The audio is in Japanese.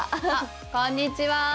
こんにちは！